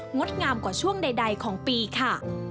ดงามกว่าช่วงใดของปีค่ะ